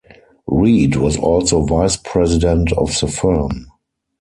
Reed was also vice president of the firm.